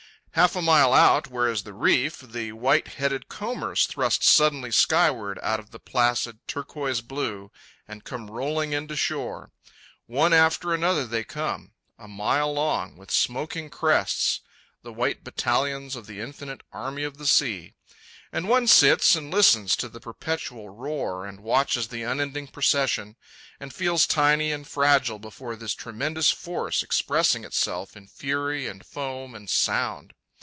Half a mile out, where is the reef, the white headed combers thrust suddenly skyward out of the placid turquoise blue and come rolling in to shore. One after another they come, a mile long, with smoking crests, the white battalions of the infinite army of the sea. And one sits and listens to the perpetual roar, and watches the unending procession, and feels tiny and fragile before this tremendous force expressing itself in fury and foam and sound.